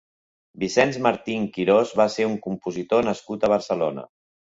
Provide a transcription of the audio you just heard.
Vicenç Martín Quirós va ser un compositor nascut a Barcelona.